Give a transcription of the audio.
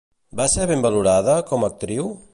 Va ser ben valorada com a actriu?